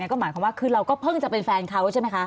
ก็หมายความว่าคือเราก็เพิ่งจะเป็นแฟนเขาใช่ไหมคะ